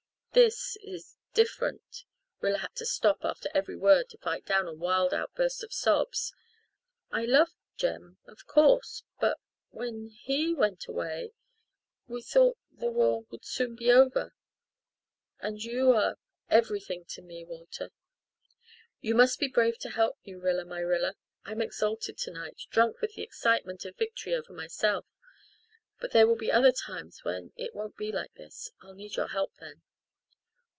"This is different," Rilla had to stop after every word to fight down a wild outburst of sobs. "I loved Jem of course but when he went away we thought the war would soon be over and you are everything to me, Walter." "You must be brave to help me, Rilla my Rilla. I'm exalted tonight drunk with the excitement of victory over myself but there will be other times when it won't be like this I'll need your help then."